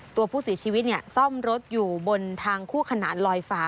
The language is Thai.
ตัวผู้เสียชีวิตซ่อมรถอยู่บนทางคู่ขนานลอยฟ้า